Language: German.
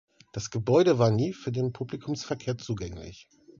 Das Gebäude war nie für den Publikumsverkehr zugänglich.